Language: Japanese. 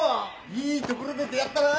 いいところで出会ったな！